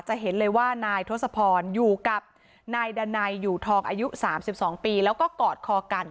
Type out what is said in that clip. จะเห็นเลยว่านายทศพรอยู่กับนายดันัยอยู่ทองอายุ๓๒ปีแล้วก็กอดคอกัน